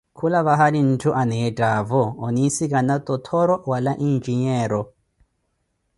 kula vahali ntthu aneettaavo oninsikana totthoro ama enjinyeero.